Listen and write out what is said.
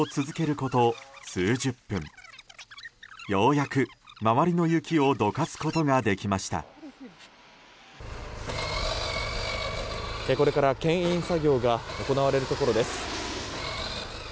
これから、牽引作業が行われるところです。